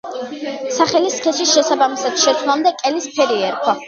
სახელის სქესის შესაბამისად შეცვლამდე კელის ფერი ერქვა.